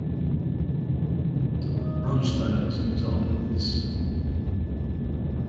Rosedale is an example of this.